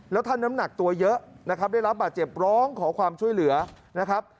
แล้วท่านน้ำหนักตัวเยอะนะครับได้รับบาดเจ็บร้องขอความช่วยเหลือนะครับ